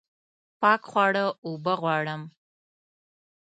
پاک خواړه اوبه غواړم